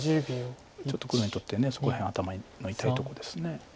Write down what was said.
ちょっと黒にとってそこら辺は頭の痛いとこです。